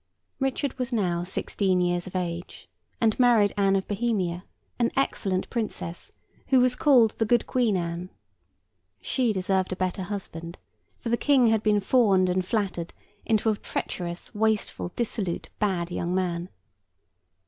Richard was now sixteen years of age, and married Anne of Bohemia, an excellent princess, who was called 'the good Queen Anne.' She deserved a better husband; for the King had been fawned and flattered into a treacherous, wasteful, dissolute, bad young man.